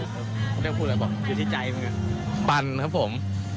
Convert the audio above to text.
เรียกได้พูดอะไรบอกนะครับปันครับผม